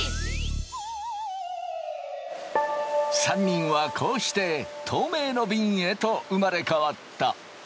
３人はこうして透明のびんへと生まれ変わった。